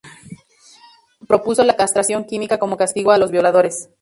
Propuso la castración química como castigo a los violadores.